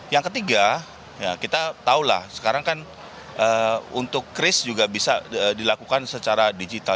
yang ketiga kita tahulah sekarang kan untuk kris juga bisa dilakukan secara digital